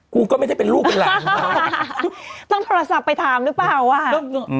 กูก็ไม่ได้เป็นลูกเป็นหลานหรือเปล่าต้องโทรศัพท์ไปถามหรือเปล่าว่าอืม